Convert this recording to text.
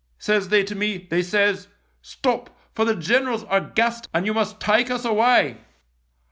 Says they to me, they says, ' Stop, for the generals are gassed and you must take us away.'